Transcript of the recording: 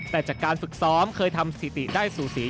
แต่จากการฝึกซ้อมเคยทำสถิติได้สูสี